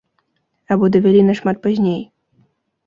Або давялі нашмат пазней?